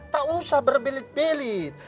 tak usah berbelit belit